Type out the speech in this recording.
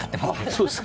そうですか。